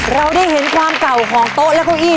เราได้เห็นความเก่าของโต๊ะและเก้าอี้